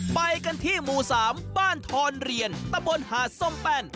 ไปกันที่หมู่๓บ้านทอนเรียนตะบนหาดส้มแป้น